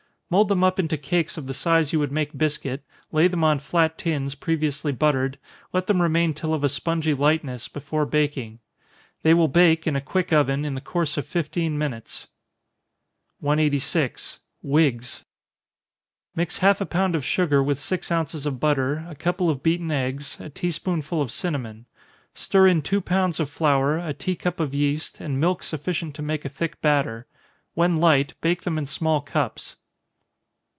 Mould them up into cakes of the size you would make biscuit, lay them on flat tins, previously buttered, let them remain till of a spongy lightness, before baking. They will bake, in a quick oven, in the course of fifteen minutes. 186. Whigs. Mix half a pound of sugar with six ounces of butter, a couple of beaten eggs, a tea spoonful of cinnamon. Stir in two pounds of flour, a tea cup of yeast, and milk sufficient to make a thick batter. When light, bake them in small cups.